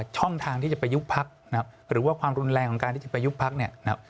ช่องทางที่จะไปยุคพรรคหรือว่าความรุนแรงของการที่จะไปยุคพรรคเนี่ย